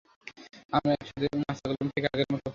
আমরা একসাথে নাস্তা করলাম, ঠিক আগের মতো।